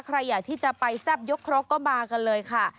ใครอยากที่จะไปแซ่บยกครกก็มากันเลยค่ะ